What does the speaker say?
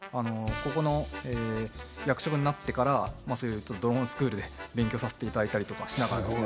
ここの役職になってからそういうドローンスクールで勉強させていただいたりとかしながらですね